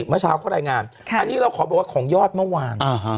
เมื่อเช้าเขารายงานอันนี้เราขอบอกว่าของยอดเมื่อวาน